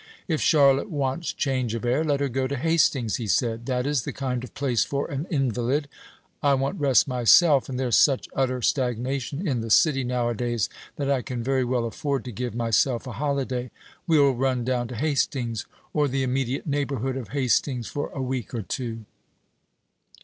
"If Charlotte wants change of air, let her go to Hastings," he said; "that is the kind of place for an invalid. I want rest myself; and there's such utter stagnation in the City nowadays that I can very well afford to give myself a holiday. We'll run down to Hastings, or the immediate neighbourhood of Hastings, for a week or two."